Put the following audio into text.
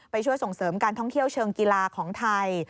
ช่วยส่งเสริมการท่องเที่ยวเชิงกีฬาของไทย